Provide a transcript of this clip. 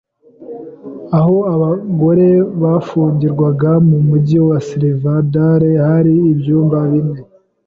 Aho abagore bafungirwaga mu mujyi wa Silverdale hari ibyumba bine